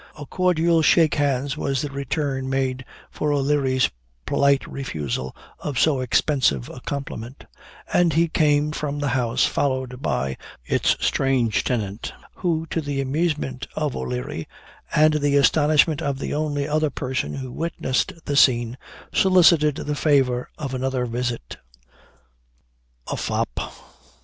A cordial shake hands was the return made for O'Leary's polite refusal of so expensive a compliment; and he came from the house followed by its strange tenant, who, to the amusement of O'Leary, and the astonishment of the only other person who witnessed the scene, solicited the favor of another visit. A FOP.